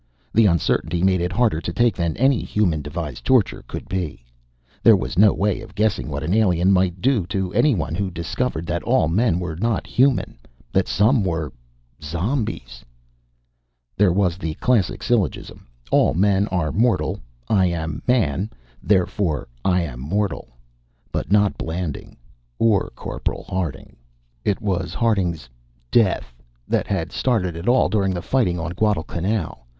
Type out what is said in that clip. The uncertainty made it harder to take than any human devised torture could be. There was no way of guessing what an alien might do to anyone who discovered that all men were not human that some were ... zombies. There was the classic syllogism: All men are mortal; I am a man; therefore, I am mortal. But not Blanding or Corporal Harding. It was Harding's "death" that had started it all during the fighting on Guadalcanal.